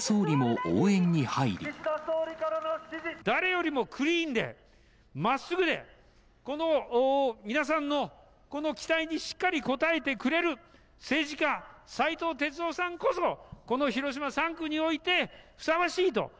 誰よりもクリーンで、まっすぐで、この皆さんの、この期待にしっかり応えてくれる政治家、斉藤鉄夫さんこそ、この広島３区において、ふさわしいと。